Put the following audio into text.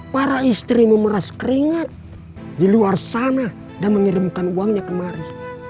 para istri memeras keringat di luar sana dan mengirimkan uangnya kemari